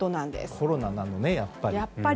コロナなのね、やっぱり。